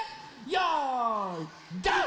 よいドン！